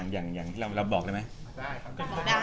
อย่างที่เราบอกได้ไหม